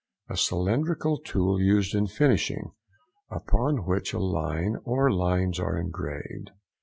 —A cylindrical tool used in finishing, upon which a line or lines are engraved.